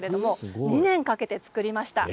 ２年かけて作りました。